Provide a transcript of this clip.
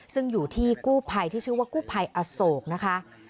ซึ่งอยู่ที่กู้ภัยที่ชื่อว่ากู้ภัยอโศกนะคะ